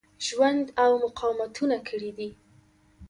ژوند او مقاومتونه کړي دي.